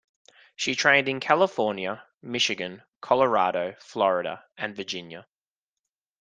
She trained in California, Michigan, Colorado, Florida and Virginia.